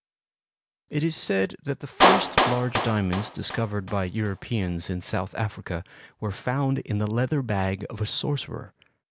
It is said that the first large diamonds discovered by Europeans in South Africa were found in the leather bag of a sorcerer.